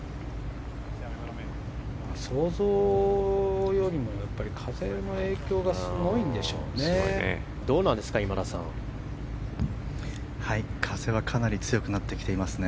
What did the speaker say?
想像よりも風の影響がすごいんでしょうね。